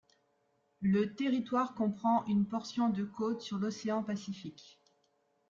Le territoire comprend une portion de côte sur l'Océan Pacifique.